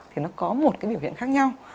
thì nó có một cái biểu hiện khác nhau